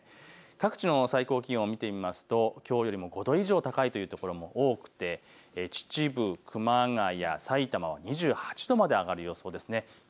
各地の最高気温を見てみますと、きょうよりも５度以上高いという所も多くて秩父、熊谷、さいたまは２８度まで上がる予想ですね。